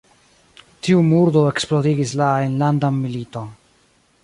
Tiu murdo eksplodigis la enlandan militon.